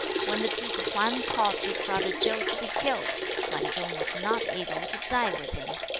When the Duke Hwan caused his brother Chiu to be killed, Kwan Chung was not able to die with him.